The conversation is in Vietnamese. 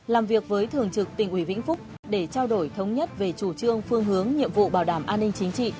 làm việc với thường trực tỉnh ủy vĩnh phúc để trao đổi thống nhất về chủ trương phương hướng nhiệm vụ bảo đảm an ninh chính trị